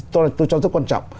tôi cho rất quan trọng